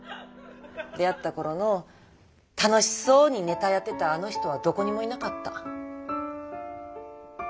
出会った頃の楽しそうにネタやってたあの人はどこにもいなかった。